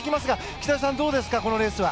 北島さん、どうですかこのレースは。